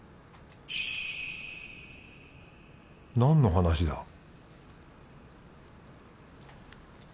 何の話だ？